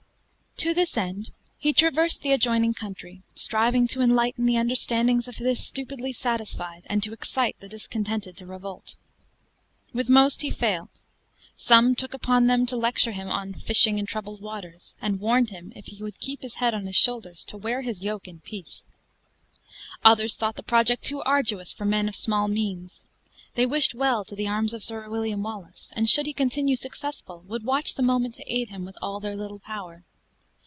To this end, he traversed the adjoining country, striving to enlighten the understandings of the stupidly satisfied and to excite the discontented, to revolt. With most he failed. Some took upon them to lecture him on "fishing in troubled waters;" and warned him, if he would keep his head on his shoulders, to wear his yoke in peace. Others thought the project too arduous for men of small means; they wished well to the arms of Sir William Wallace; and, should he continue successful, would watch the moment to aid him with all their little power.